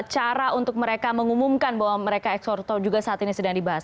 cara untuk mereka mengumumkan bahwa mereka ekspor tol juga saat ini sedang dibahas